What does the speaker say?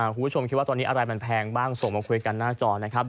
คุณผู้ชมคิดว่าตอนนี้อะไรมันแพงบ้างส่งมาคุยกันหน้าจอนะครับ